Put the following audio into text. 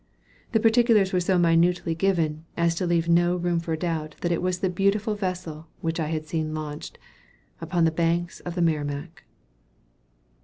The particulars were so minutely given, as to leave no room for doubt that it was the beautiful vessel which I had seen launched, upon the banks of the Merrimac.